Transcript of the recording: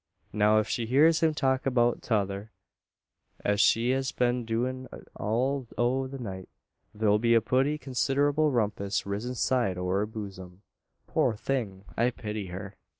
Now ef she hears him talk about tother, as he hev been a doin' all o' the night, thur'll be a putty consid'able rumpus riz inside o' her busom. Poor thing! I pity her.